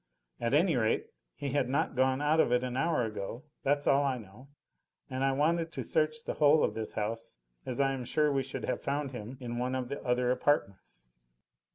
At any rate, he had not gone out of it an hour ago that's all I know. And I wanted to search the whole of this house, as I am sure we should have found him in one of the other apartments.